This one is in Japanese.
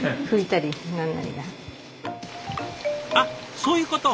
あそういうこと。